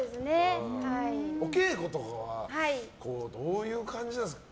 お稽古とかはどんな感じなんですか？